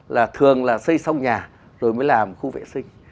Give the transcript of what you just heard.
là thường là xây xong nhà rồi mới làm khu vệ sinh